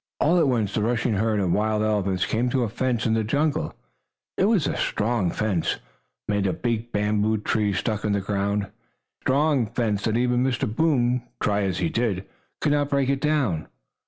All at once the rushing herd of wild elephants came to a fence in the jungle. It was a strong fence, made of big bamboo trees stuck in the ground. It was such a strong fence that even Mr. Boom, try as he did, could not break it down.